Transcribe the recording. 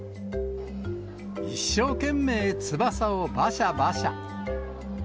一生懸命翼をばしゃばしゃ。